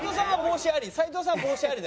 斎藤さんは帽子あり？